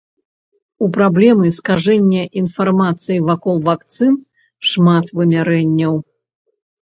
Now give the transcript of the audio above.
У праблемы скажэння інфармацыі вакол вакцын шмат вымярэнняў.